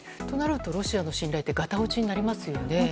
となると、ロシアの信頼はガタ落ちになりますよね。